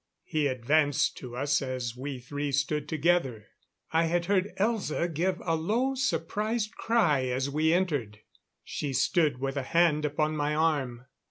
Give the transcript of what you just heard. He advanced to us as we three stood together. I had heard Elza give a low, surprised cry as we entered. She stood with a hand upon my arm.